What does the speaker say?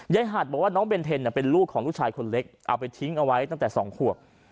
หาดบอกว่าน้องเบนเทนเป็นลูกของลูกชายคนเล็กเอาไปทิ้งเอาไว้ตั้งแต่๒ขวบ